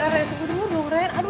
rayan tunggu dulu dong rayan aduh